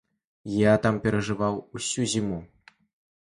Я там пражываў усю зіму.